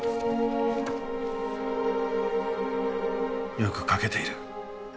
よく描けている。